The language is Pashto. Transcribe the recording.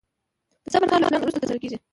د صبر کار له پلان وروسته ترسره کېږي.